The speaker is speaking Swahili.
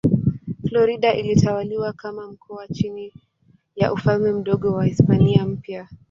Florida ilitawaliwa kama mkoa chini ya Ufalme Mdogo wa Hispania Mpya.